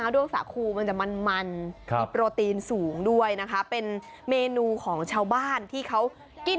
ให้ถ่ายว่าเป็นเมนูอะไร